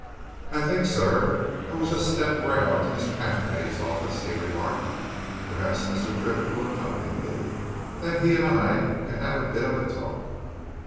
"I think, sir, I will just step round to Mr. Halfpenny's office," he remarked. "Perhaps Mr. Triffitt will accompany me? then he and I can have a bit of a talk."